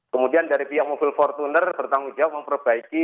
kemudian dari pihak mobil fortuner bertanggung jawab memperbaiki